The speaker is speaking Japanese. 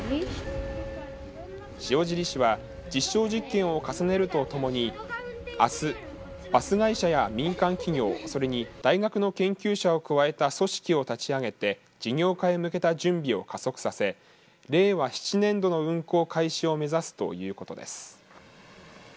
塩尻市は実証実験を重ねるとともにあす、バス会社や民間企業それに大学の研究者を加えた組織を立ち上げて事業化へ向けた準備を加速させ令和７年度の運行開始を目指すということです。